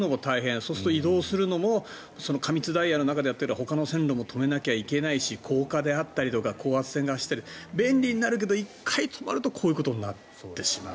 そうすると移動するのも過密ダイヤの中でやってるからほかの線路も止めなきゃいけないし高架であったりとか高圧線があったり便利になるけど１回止まるとこういうことになってしまう。